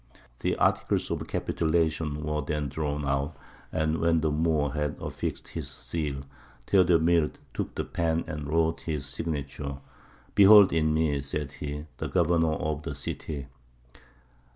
The articles of capitulation were then drawn out; and when the Moor had affixed his seal, Theodemir took the pen and wrote his signature. "Behold in me," said he, "the governor of the city!"